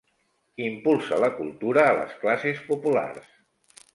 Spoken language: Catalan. Impulsa la cultura a les classes populars.